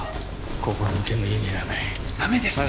ここにいても意味がないダメですよ